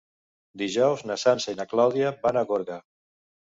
Dijous na Sança i na Clàudia van a Gorga.